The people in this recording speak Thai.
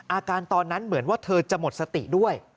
อาการตอนนั้นเหมือนว่าเธอจะหมดสติด้วย